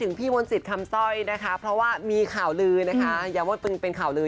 ถึงพี่บทขัมส้อยนะคะเพราะว่ามีข่าวลือนะคะยาวดพึงเป็นข่าวลือ